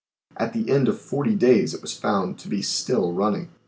At the end of forty days it was found to be still running.